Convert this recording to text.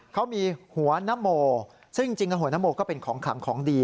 เขามีหัวนโมซึ่งจริงหัวนโมก็เป็นของขลังของดี